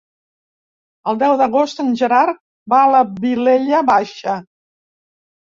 El deu d'agost en Gerard va a la Vilella Baixa.